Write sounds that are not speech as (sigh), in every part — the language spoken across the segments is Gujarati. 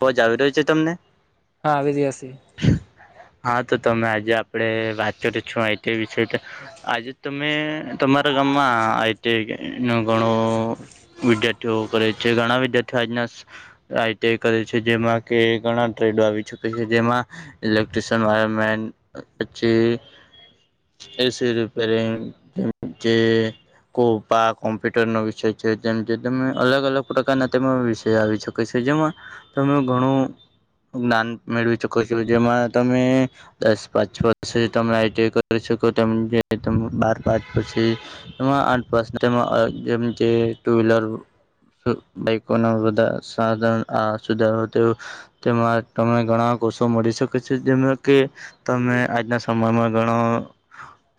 અવાજ આવી રહ્યો છે તમને હા આવી રહ હસી. હા તો તમે આજે આપડે વાત કરી છું આઈટી વિશે આજે તમે તમારા. આતે ઘણો વિદ્યાર્થીઓ કરે છે ઘણા વિદ્યાર્થીઓ આજના. આઈટીઈ કરે છે જેમાં કે ઘણા ટ્રેડો આવી ચુકે છે જેમાં. ઇલેક્ટ્રશયન વાયમેન્ટ પછી. એસી રિપેરિંગ જે. કોપા કોમ્પ્યુટર નો વિષય છે જે જે તમે અલગ અલગ પ્રકારના તે વિષય આવી શકે છે. તમે ઘણું જ્ઞાન મેળવીકો. છ જેમાં તમે દસ પાંચ વર્ષ સુધી તમે આઈટી કરી શકો તેમ જે. બાર પાંચ પછી એમાં આઠ પા જેમ જે ટુ વ્હીલર. બાકો ના બધા સા સુધારો તેમાં તમે ઘણા. કોષો મળી શકે છે જેમાં કે તમે આજના સમયમાં ઘણાો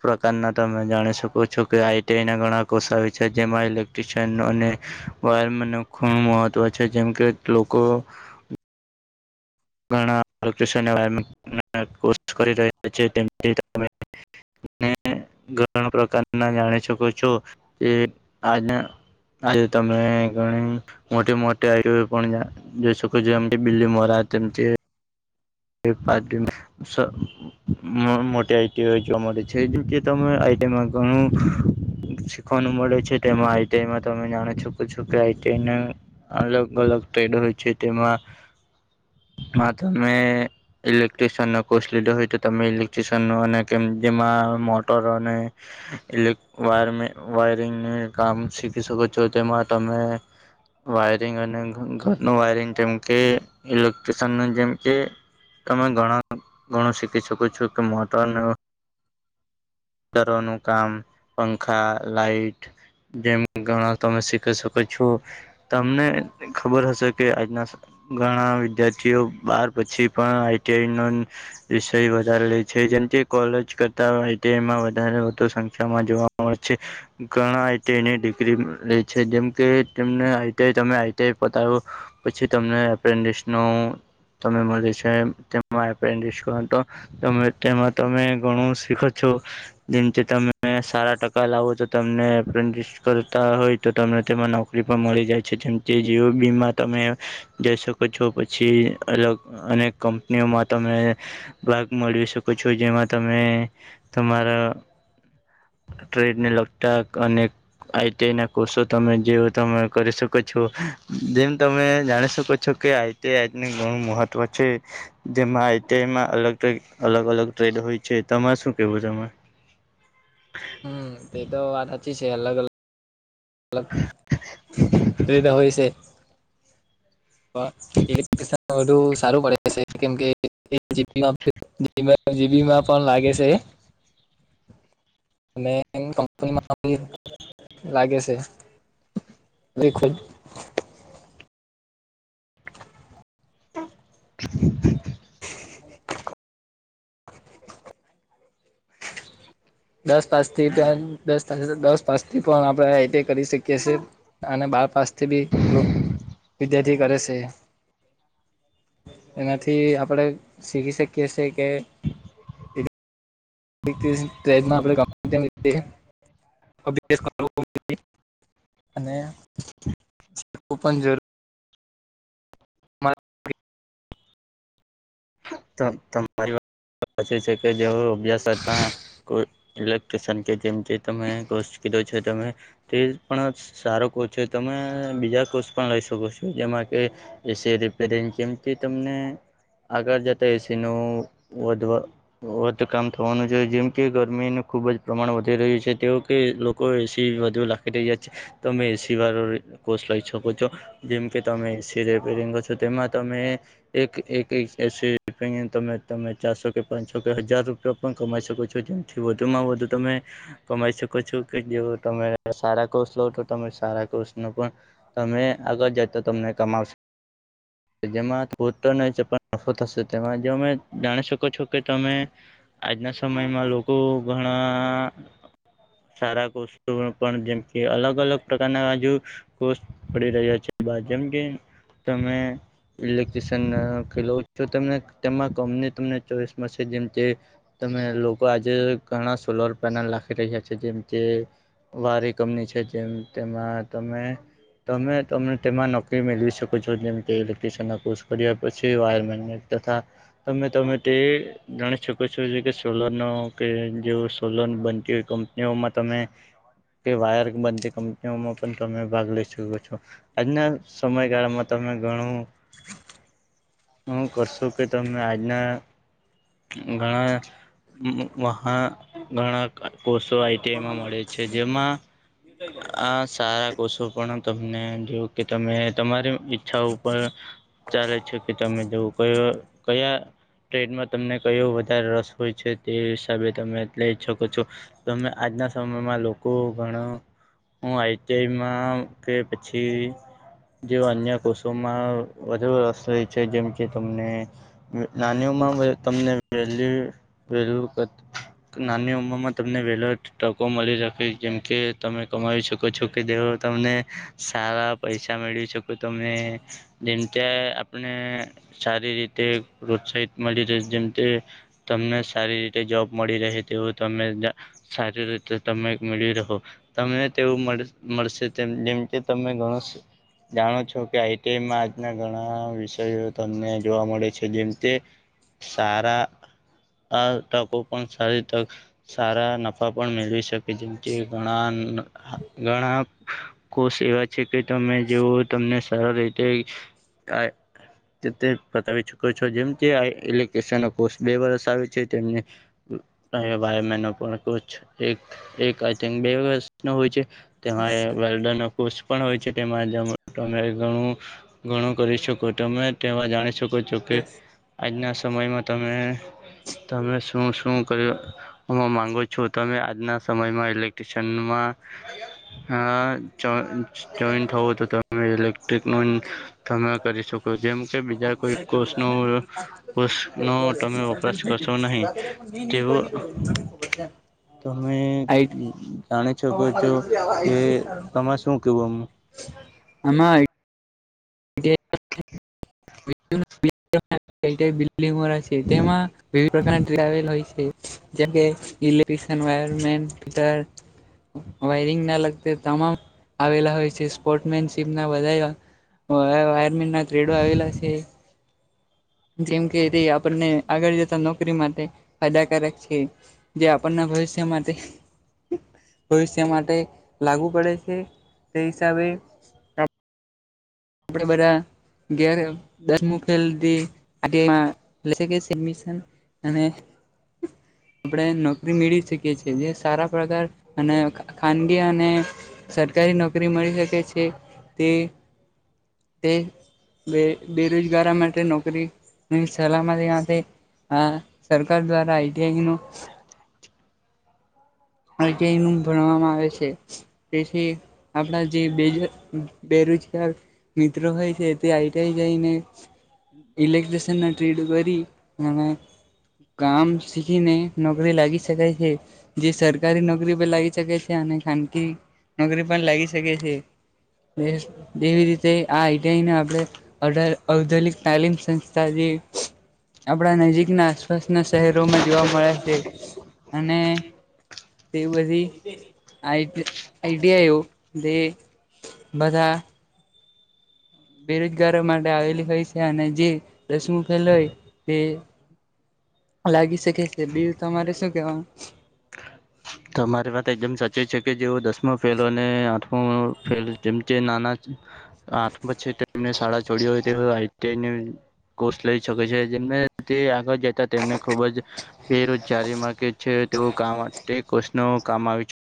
પ્રકારના તમે જાણી શકો છો કે આઈટીઆઈ ના ઘણા કોષ આવે છે જેમાં ઇલેક્ટ્રિશયન અને વા મ ખણ મહત્વ છે જેમ કે લોકો ઘણા કો કરી રહ્યા છેથી હ ઘણા પ્રકારના જાણી શકો છો કે આજના આજે તમે ઘણી મોટી મોટે આ પણ જોઈ શકો છો એમ બિલ્લી મોરાજ તેમમથી મોટી આઈટીઓ જોવા મળે છે જે તમે આ તેમાં ઘણું શીખવાનું મળે છે તેમાં આઈટીઆઈમાં તમે જાણો છો ક છો કે આઈટીઆઈને અલગ અલગ ડ હોય છે તેમાં તમે ઇલેક્ટ્રિશિયન કોસ્ટ લીધો હોય તો તમે ઇલેક્ટ્રિશિયન ન અને કેમ જેમાં મોટર અને. લે વાયર વાયરિંગ કામ શીખી શકો છો તેમાં તમે. વાયરિંગ અને ઘરનું વાયરિંગ જેમ કે ઇલેક્ટ્રશન નું જેમ કે. તમે ઘણા ઘણું શીખી શકો છો કે મહત્વ. રો નું કામ પંખા લાઈટ જેમ ઘણા તમે શીખી શકો છો. તમને ખબર હશે કે આજના ઘણા. વિદ્યાર્થીઓ બાર પછી. પણ આઈટીઆઈ નો વિષય વધારે છે જેમ કે કોલેજ કરતા. તેમાં વધારે વધુ સંખ્યામાં જોવા મળ છે ઘણા એ તેની ડિગ્રી લે છે. તાવ પછી ત ન. ત મળ છે તેમાં તમે ઘણું શીખ. છો જેમ તમે. સારા ટકા લાવો તો તમને એપ્રેન્ટિસ કરતા હોય તો તમને તેમાં નોકરી પણ મળી જાય છે. જીઓ બીમા તમે જઈ શકો છો પછી અલગ અનેક કંપનીઓમાં. તમે ભાગ મેવી શકો છો જેમાં તમે તમારા. ટ્રેડ ને લગતા અને. આઈટીઆઈ ના કોર્ષો તમે જે તમે કરી શકો છો જેમ તમે જાણી શકો છો. કે આઈટીઆ ઘણું મહત્વ છે જેમાં આઈટીઆઈમાં અલગ અલગ અલગ ટ્રેડ. હોય છે તમારે શું કેવું તમામે. હમ તે અલ દધ છે. ુ સારું પડે છે કેમ. જીબી માં પણ લાગે છે. (inaudible) અને કપની. લાગે છે દખોજ. (inaudible) દસ પાસથી દસ દસ પાસથી પણ આપણે એ. કરી શકીએ છીએ અને બાર પાસથી બી. વિદ્યાર્થી કરે છે એનાથી આપણેે શીખી શકીએ. કેસ કે. આપ. અને પણ જરૂર. તો તમારી વાત. છે કે જે અભ્યાસતા ઇલેક્ટ્રિશન કે જેિમથી ત કોષ. છે ત તે પણ સારો કોચ છે તમે બીજા કોચ પણ લઈ શકો છો જેમાં. કે એ રિપેરિંગ કેમ તમને. આગળ જતા એસી નું વધવા વધુ કામ થવાનું જોઈ જેમ કે ગરમીનું ખૂબ. ખૂબ જ પ્રમાણ વધી રહ્યું છે તે કે લોકો એસી વધુ લખી રહી જાય છે તો અમે એસી વાળો. કોર્ષ લઈ શકો છો જેમ કે તમે એસી રિપેરિંગો છો તેમાં તમે એક એક એક. એસી તમે તમે ચારસો કે પાંચસો કે હજાર રૂપિયા પણ કમાઈ શકો છો જેમથી વધુમાં વધુ. બું તમે કમાઈ શકો છો કે જો તમે સારા કોર્સ લો તોો તમે સારા કોર્સનો પણ. તમે આગળ જાય તો તમને કમાવશ જેમાં થો તો ચપ. નફો હશે તેમાં જોમે જાણી શકો છો કે તમે આજના સમયમાં લોકો. હ (unintelligible) સારા કોષો પણ જેમ કે અલગ અલગ પ્રકારના બાજુ કોષ પડી રહ્યા છે. બાત જેમ કે તમે ઇલેક્ટ્રિશયનના. તેમાં કમને તમને ચોઈસ મળશે જેમ. તમે લોકો આજે ઘણા સોલર પેનલ લખી રહ્યા છે જેમ કે. વારી કંપની છે જેમ તેમાં તમે. તમે તને તેમાં નોકરી મેળવી શકો છો જેમ કે ઇલેક્ટ્રશયન ના કોર્સ કર્યા પછી જે વાયરમેન તથા તમે તમે તે ગણી શકો છો જે કે સોલરનો કે જે સોલો બનતી હોય કંપનીઓમાં તમે કે વાયર બનતી કંપનીઓમાં પણ તમે ભાગ લઈ શકો છો આજના સમયગાળામાં ત ત ઘણું હું કરશો કે તમે આજના ઘણા વહ ઘણા કોષો આઈટીઆઈમાં મળે છે જેમાં આ સારા કોષો પણ તમને જો કે તમે તમારી ઈચ્છા ઉપર ચાલે છે કે તમે જોવું કયો કયા ટ્રેડમાં તમને કયો વધારે રસ હોય છે તે હિસાબે તમે લઈ શકો છો તમે આજના સમયમાં લોકો ઘણા હું આઈટીઆઈમાં કે પછી જે અન્ય કોષોમાં વધુ જેમ કે તમને નાનીઓમાં તમને વલુ વેલુ નાની ઉંમર માં તમને વેલો ટકો મળી રાખી જેમ કે તમે કમાવી શકો છો કે દે તમને સારા પૈસા મેળવી શકો તમે જેમ આપને સારી રીતે પ્રોત્સાહિત મળી રહે જેમ કે તમને સારી રીતે જોબ મળી રહે તેવું તમે સારી રીતે તમે મેળવી રહો તમને તેવું મળશે તેમ જેમ કે તમે ઘણું જાણો છો કે આઈટીઆઈમાં આજના ઘણા વિ વિષ તમને જોવા મળે છે જેમ તે સારા આ તકો પણ સારી તક સારા નફા પણ મેળવી શકે કે જેમ કે ઘણા ઘણા કોષ એવા છે કે તમે જેવો તમને સર રીતે (inaudible) પતાવી ચુકો છો જેમ કો બે વર્ષ આવે છે તેમને ભાઈનો પણ એકક બે વષ હોય છે તે વલ્ડન પણ હોય છે તેમાં તમેણું ઘણું કરી શકો તમે તેમાં જાણી શકો કો છો કે આજના સમયમાં તમે તમે શું શું કર્યું માંગો જો તમે આજના સમયમાં ઇલેક્ટ્રિશયનમાં હા જોઈન્ટ હોવ તો તમે ઇલેક્ટ્રિક નો કરી શકો જેમ કે બીજા કોઈ કોષ ન કોષ નો તમે વપરાશ કરશો નહીં ન ની તેવું કઈ કરો મ ખબર છેમ તમે જાણી શકો છો કે તમારે શું કેવું આમ આમાં બિલ્ડંગ છે તેમાં વિવિધ પ્રકારના ટ્રાવલ હોય છે જે કે ઇલેક્ટ્રસન વયરમેન્ટ ફીટર વાયરિંગ ના લગ તમામ આવેલા હોય છે સ્પોર્ટમેનશીપ ના વધારે વાયરમિન ના થ્રેડો આવેલા છે જેમ કે તે આપણને આગળ જતા નોકરી માટે ફાયદાકારક છે જે આપણને હો છે માટે તે ભવિષ્ય માટે લાગુ પડે છે તે હિસાબે આપણેે બધા દસમ અને (inaudible) આપણે નોકરી મેળવી શકીએ છીએ જે સારા પ્રકાર અને ખાનગી અને સરકારી નોકરી મળી શકે છે તે તે બે બેરોજગાર માટે નોકરીની સલામતી સાથે. હા સરકાર દ્વારા આઈટીઆઈ નું. ગ ભણવામાં આવે છે તેથી આપણા જે. રજ મિત્ર હોય છે એ તે આઈટ જાયને. લેક્ટ્રીિસન ટ્રેડ કરી નામે. કામ શીખીને નોકરી લાગી શકાય છે જે સર. સરકારી નોકરી પણ લાગી શકે છે અને ખાનગી નોકરી પણ લાગી શકે છે. એવી રીતે આ આઈડઆઈને આપણે ઔધલિક તાલીમ સંસ્થા. હ (unintelligible) આપણા નજીકના આસપાસના શહેરોમાં જોવા મળે છે અને. તે અસીી આઈ આઈડિયાઓ તે. બધા. બેરોજગારો માટે આવેલી હોય છે અને જે રસમું ફેલ હોય તે. લાગી શકે છે બિલ તમારે શું કેવાનું. તમારી વાત એકદમ સાચે છે કે જેવ દસમાં ફેલો અને આઠમ ફેલ જેમ જે નાના. આઠમાંછટ. એને શાળા છોડી હોય તે કોર્સ લઈ શકે છે જેમને તે આગળ. તેમને ખુબ જ બેરોજગારી મામાંગે છે તેવું કામ. તે કોષ્નો કામ આવે છે.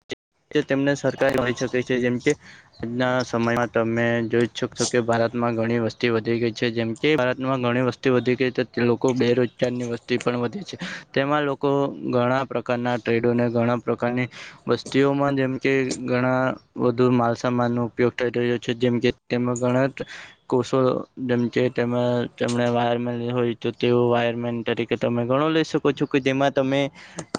(inaudible) તેમને સરકાર મળી શકે છે જેમ કે આજના સમયમાં તમે જોઈ શક છો કે ભારત. માં ઘણી વસ્તી વધી ગઈ છે જેમ કે ભારતમાં ઘણી વસ્તી વધી ગઈ છે લોકો બેરોજગાર ની વસ્તી પણ. વધે છે તેમાં લોકો ઘણા પ્રકારના ટ્રેડોને ઘણા પ્રકારની. વસ્તીઓમાં જેમ કે ઘણા વધુ માલસામાન નો ઉપયોગ થઈ રહ્યો છે જેમકે. તેમાં ઘણા કોષો જેમ છે તેમાં તેમણે વાયર મળ હોય તો તેઓ વાયર. મેન તરીકે તમે ગણો લઈ શકો છો કે જેમાં તમે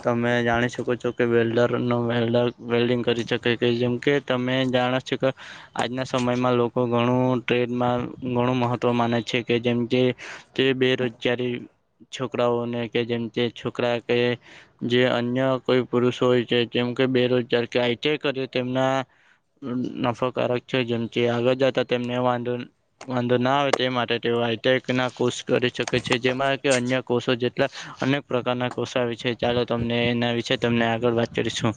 તમે જાણી શકો છો કેડર. વેલ્િંગ કરી શકે જેમકે તમે જાણો છો કે આજના સમયમાં. લોકો ઘણું ટ્રેડમાં ઘણું મહત્ત્વ માને છે કે જેમ કે તે બેરોજગારી. છોકરાઓને કે જેમ કે છોકરા કે જે અન્ય કોઈ પુરુષો હોય. જેમ કે બેરોજગાર કય કરે તેમના. નફાકારક છે જેમથી આગળ જતા તેમને વાંધો વાંધો ના આવે તે માટે તેઓ. ક ના કોષ કરી શકે છે જેમાં કે અન્ય કોષો જેટલા અનેક પ્રકારના કોષ આવે છે. ચાલો તમને એના વિશેે તમને આગળ. તસો.